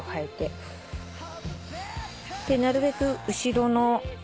なるべく後ろの。